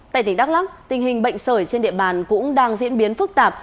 tại tỉnh đắk lắc tình hình bệnh sởi trên địa bàn cũng đang diễn biến phức tạp